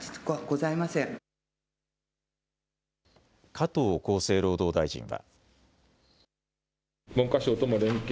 加藤厚生労働大臣は。